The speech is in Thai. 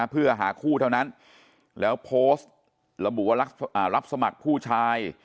เพื่อหาคู่เท่านั้นแล้วโพสต์ระบุว่ารับสมัครผู้ชาย